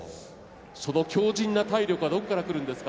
その強じんな体力はどこからくるんですか？